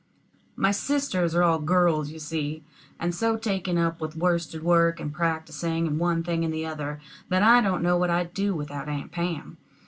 My sisters are all girls, you see, and so taken up with worsted work, and practicing, and one thing and the other, that I don't know what I'd do without Aunt Pam.